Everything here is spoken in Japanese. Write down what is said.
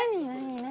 何？